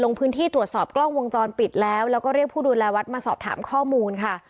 ลงพื้นที่ตรวจสอบกล้องวงจรปิดแล้วแล้วก็เรียกผู้ดูแลวัดมาสอบถามข้อมูลค่ะ